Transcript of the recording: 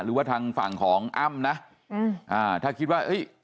หรือว่าทางฝั่งของอ้ำนะอืมอ่าถ้าคิดว่าเอ้ย